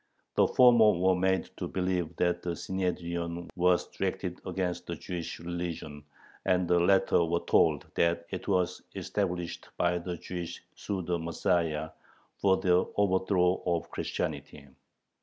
The former were made to believe that the Synhedrion was directed against the Jewish religion, and the latter were told that it was established by the Jewish "pseudo Messiah" for the overthrow of Christianity.